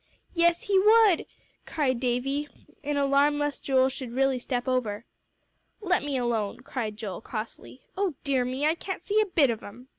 "Yes, he would," cried Davie, in alarm lest Joel should really step over. "Let me alone," cried Joel, crossly. "O dear me! I can't see a bit of 'em."